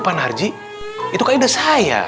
pak narji itu kan ide saya